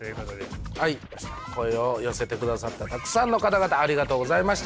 声を寄せてくださったたくさんの方々ありがとうございました。